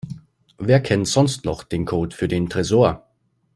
Wer kennt sonst noch den Code für den Tresor?